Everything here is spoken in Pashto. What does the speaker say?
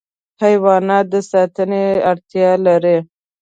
حیوانات د ساتنې اړتیا لري.